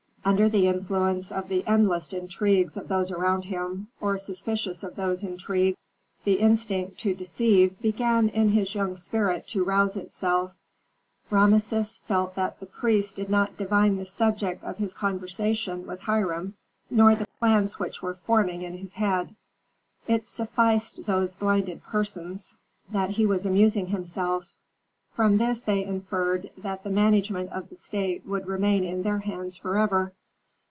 Under the influence of the endless intrigues of those around him, or suspicious of those intrigues, the instinct to deceive began in his young spirit to rouse itself. Rameses felt that the priests did not divine the subject of his conversation with Hiram, nor the plans which were forming in his head. It sufficed those blinded persons, that he was amusing himself; from this they inferred that the management of the state would remain in their hands forever.